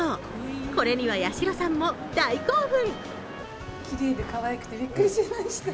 これには八代さんも大興奮。